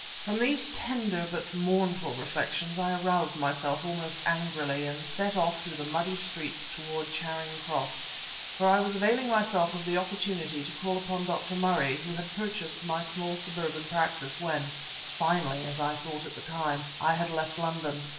From these tender but mournful reflections I aroused myself, almost angrily, and set off through the muddy streets towards Charing Cross; for I was availing myself of the opportunity to call upon Dr. Murray, who had purchased my small suburban practice when (finally, as I thought at the time) I had left London.